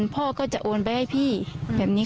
ความปลอดภัยของนายอภิรักษ์และครอบครัวด้วยซ้ำ